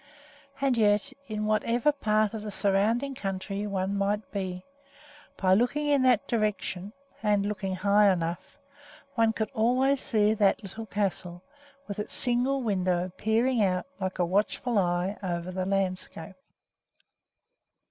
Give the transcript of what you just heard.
And yet, in whatever part of the surrounding country one might be, by looking in that direction and looking high enough one could always see that little castle, with its single window peering out like a watchful eye over the landscape.